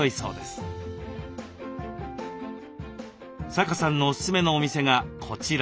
阪さんのおすすめのお店がこちら。